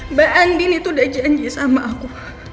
mbak andini tuh udah janji sama aku